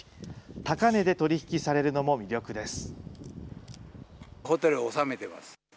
高値で取り引きされるのも魅力です。